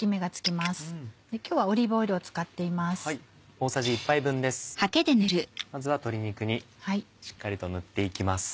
まずは鶏肉にしっかりと塗って行きます。